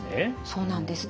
そうなんです。